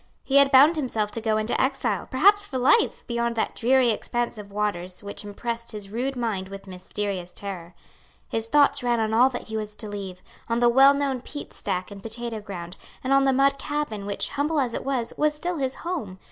He had bound himself to go into exile, perhaps for life, beyond that dreary expanse of waters which impressed his rude mind with mysterious terror. His thoughts ran on all that he was to leave, on the well known peat stack and potatoe ground, and on the mud cabin, which, humble as it was, was still his home.